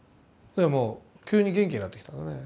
もう急に元気になってきたのね。